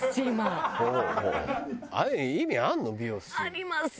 ありますよ！